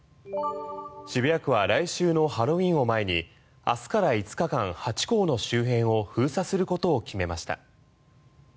渋谷区は来週のハロウィーンを前に明日から５日間、ハチ公の周辺を封鎖することを決めました。